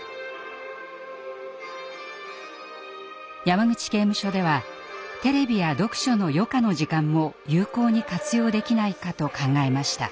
山口刑務所ではテレビや読書の余暇の時間も有効に活用できないかと考えました。